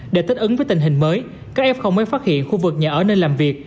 để thích ứng với tình hình mới ca f mới phát hiện khu vực nhà ở nên làm việc